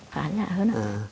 khá giả hơn